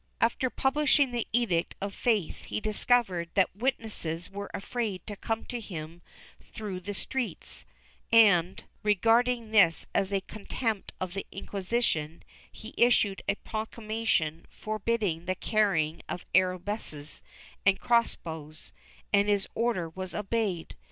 After publishing the Edict of Faith he discovered that witnesses were afraid to come to him through the streets and, regarding this as a contempt of the Inquisition, he issued a proclamation for bidding the carrying of arquebuses and cross bows, and his order was obeyed.